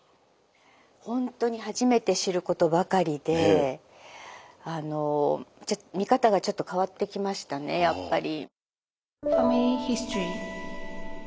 ほんとに初めて知ることばかりで見方がちょっと変わってきましたねやっぱり。